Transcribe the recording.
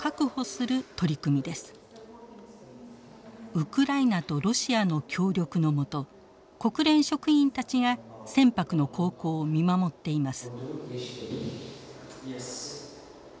ウクライナとロシアの協力の下国連職員たちが船舶の航行を見守っています。